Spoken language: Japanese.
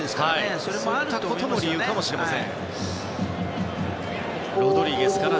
そういったことも理由かもしれません。